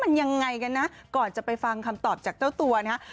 มันยังไงกันนะก่อนจะไปฟังคำตอบจากเจ้าตัวนะฮะ